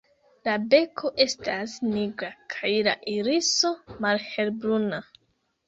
La beko estas nigra kaj la iriso malhelbruna.